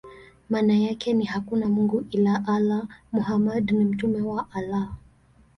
Maana yake ni: "Hakuna mungu ila Allah; Muhammad ni mtume wa Allah".